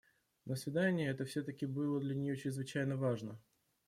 Но свидание это всё-таки было для нее чрезвычайно важно.